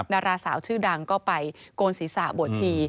ดาราสาวชื่อดังก็ไปโกนศีรษะบวชชี